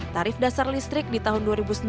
tarif dasar listrik di tahun dua ribu sembilan belas